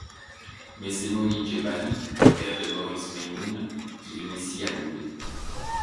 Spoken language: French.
Mais c'est Mouni Jebali, père de Maurice Meimoun, qui l'initie à l'oud.